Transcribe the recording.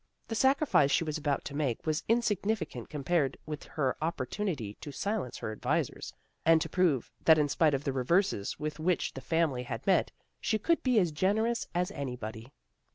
The sacrifice she was about to make was insignificant compared with her opportunity to silence her advisers, and to prove that in spite of the reverses with which the family had met, she could be as generous as anybody.